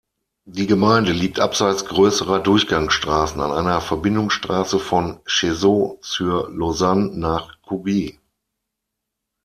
Die Gemeinde liegt abseits grösserer Durchgangsstrassen an einer Verbindungsstrasse von Cheseaux-sur-Lausanne nach Cugy.